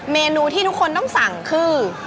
เมนูที่ทุกคนต้องสั่งคือ